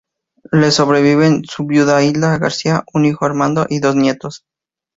Le sobreviven su viuda Hilda García, un hijo Armando y dos nietos.